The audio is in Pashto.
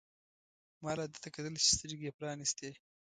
ما لا ده ته کتل چې سترګې يې پرانیستې.